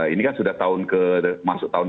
ini kan sudah tahun ke masuk tahun